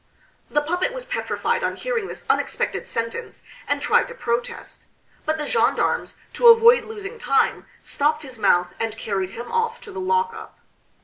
The puppet was petrified on hearing this unexpected sentence, and tried to protest; but the gendarmes, to avoid losing time, stopped his mouth, and carried him off to the lockup.